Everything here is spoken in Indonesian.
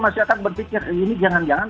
masih akan berpikir ini jangan jangan